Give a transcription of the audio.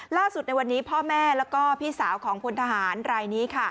ล่าสุดในวันนี้พ่อแม่แล้วก็พี่สาวของพลทหารรายนี้